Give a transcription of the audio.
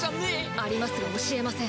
ありますが教えません。